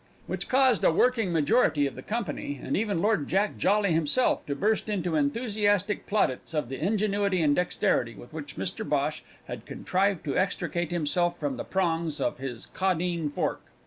Which caused a working majority of the company, and even Lord Jack Jolly himself, to burst into enthusiastic plaudits of the ingenuity and dexterity with which Mr Bhosh had contrived to extricate himself from the prongs of his Caudine fork.